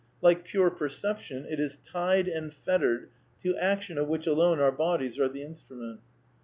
Like pure perception, it is tied and fettered to action of which alone our bodies are the instrument.